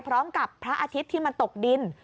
พร้อมกับพระอาทิตย์ที่มันตกดิน